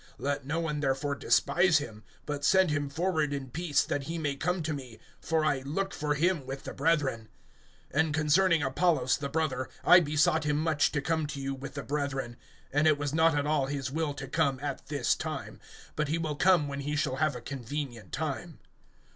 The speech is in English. (11)Let no one therefore despise him; but send him forward in peace, that he may come to me; for I look for him with the brethren. (12)And concerning Apollos the brother, I besought him much to come to you with the brethren; and it was not at all his will to come at this time, but he will come when he shall have a convenient time.